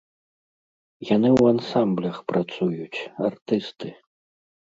Яны ў ансамблях працуюць, артысты.